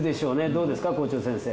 どうですか校長先生。